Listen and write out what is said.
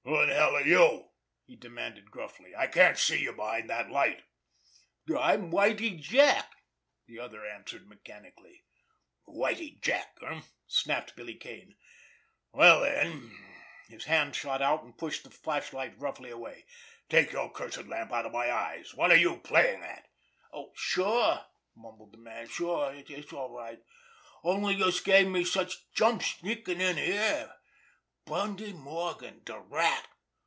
"Who in hell are you?" he demanded gruffly. "I can't see you behind that light." "I'm Whitie Jack," the other answered mechanically. "Whitie Jack, eh?" snapped Billy Kane. "Well, then"—his hand shot out, and pushed the flashlight roughly away—"take your cursed lamp out of my eyes? What are you playing at?" "Sure!" mumbled the man. "Sure—it's all right! Only youse gave me de jumps sneakin' in here. Bundy Morgan—de Rat!